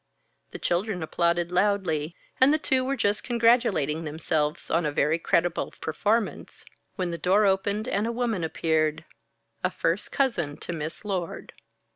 The children applauded loudly; and the two were just congratulating themselves on a very credible performance, when the door opened and a woman appeared a first cousin to Miss Lord.